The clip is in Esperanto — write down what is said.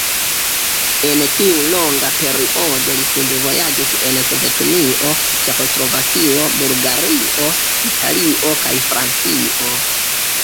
En tiu longa periodo li studvojaĝis en Sovetunio, Ĉeĥoslovakio, Bulgario, Italio kaj Francio.